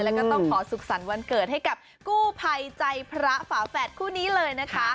แล้วก็ต้องขอสุขสรรค์วันเกิดให้กับกู้ภัยใจพระฝาแฝดคู่นี้เลยนะคะ